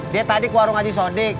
dia tadi ke warung aji sodik